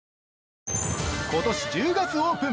ことし１０月オープン！